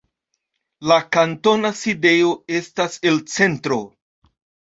La kantona sidejo estas El Centro.